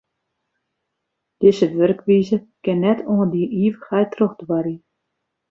Dizze wurkwize kin net oant yn ivichheid trochduorje.